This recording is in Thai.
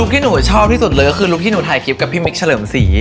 ที่หนูชอบที่สุดเลยก็คือลุคที่หนูถ่ายคลิปกับพี่มิ๊กเฉลิมศรี